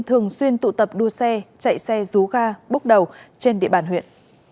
thường xuyên tụ tập đua xe chạy xe rú ga búc đầu trên địa bàn huyện